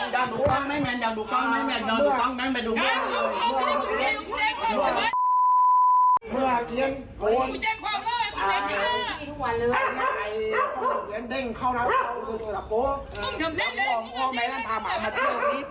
เล่น